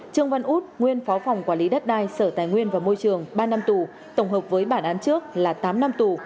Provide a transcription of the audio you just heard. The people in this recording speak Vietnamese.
trương văn út nguyên phó phòng quản lý đất đai sở tài nguyên và môi trường ba năm tù tổng hợp với bản án trước là tám năm tù